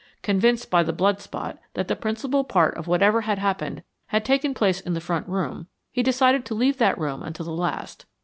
Convinced by the blood spot that the principal part of whatever had happened had taken place in the front room, he decided to leave that room until the last.